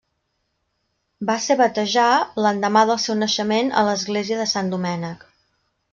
Va ser batejar, l'endemà del seu naixement, a l’església de Sant Domènec.